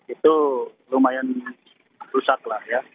itu lumayan rusaklah ya